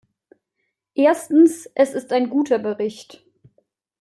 Erstens, es ist ein guter Bericht.